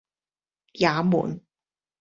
也門